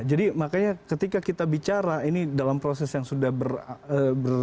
jadi makanya ketika kita bicara ini dalam proses yang sudah ber